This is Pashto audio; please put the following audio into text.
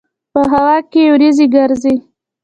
په هوا کې یې وريځې ګرځي.